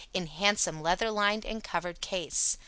In handsome leather lined and covered case.